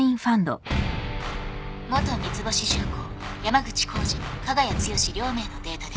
元三ツ星重工山口浩二加賀谷剛両名のデータです。